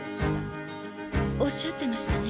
おっしゃってましたね。